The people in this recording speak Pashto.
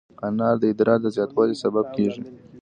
انار د ادرار د زیاتوالي سبب کېږي.